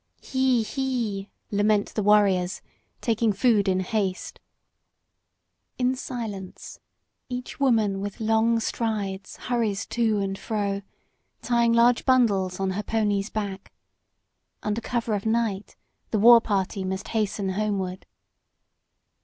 "He he!" lament the warriors, taking food in haste. In silence each woman, with long strides, hurries to and fro, tying large bundles on her pony's back. Under cover of night the war party must hasten homeward.